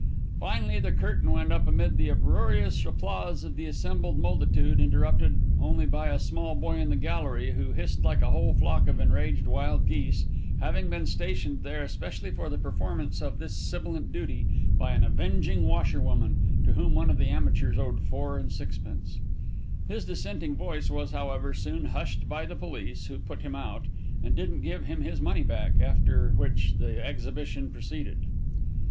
Finally the curtain went up amid the uproarious applause of the assembled multitude, interrupted only by a small boy in the gallery, who hissed like a whole flock of enraged wild geese, having been stationed there especially for the performance of this sibilant duty by an avenging washerwoman, to whom one of the amateurs owed four and sixpence; his dissenting voice was, however, soon hushed by the police, who put him out, and didn't give him his money back, after which the exhibition proceeded.